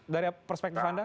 dari perspektif anda